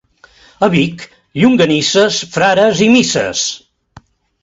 A Vic, llonganisses, frares i misses.